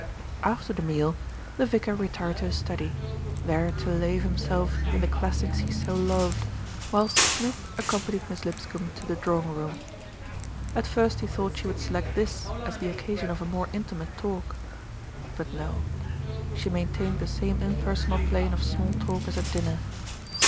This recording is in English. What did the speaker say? After the meal, the vicar retired to his study, there MISS LIPSCOMBE DECIDES ON NEUTRALITY 133 to lave himself in the classics he so loved, whilst Smith accompanied Miss Lipscombe to the drawing room. At first he thought she would select this as the occasion of a more intimate talk; but no she main tained the same impersonal plane of small talk as at dinner.